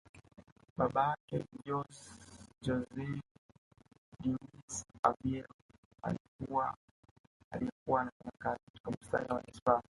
Baba yake JosÃ Dinis Aveiro aliye kuwa anafanya kazi katika bustani ya manispaa